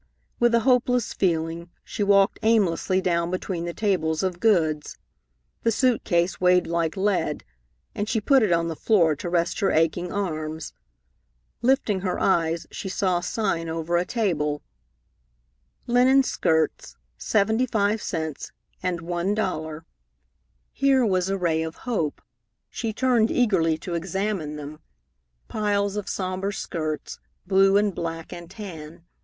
With a hopeless feeling, she walked aimlessly down between the tables of goods. The suit case weighed like lead, and she put it on the floor to rest her aching arms. Lifting her eyes, she saw a sign over a table "Linene Skirts, 75 cts. and $1.00." Here was a ray of hope. She turned eagerly to examine them. Piles of sombre skirts, blue and black and tan.